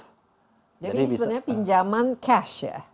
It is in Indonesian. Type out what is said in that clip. jadi sebenarnya pinjaman cash ya